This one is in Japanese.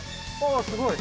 すごい。